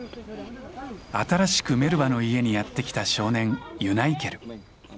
新しくメルバの家にやって来た少年ユナイケル。